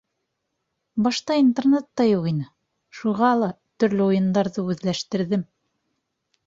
Башта Интернет та юҡ ине, шуға ла төрлө уйындарҙы үҙләштерҙем.